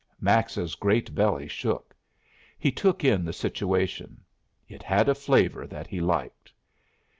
Max's great belly shook. He took in the situation. It had a flavor that he liked.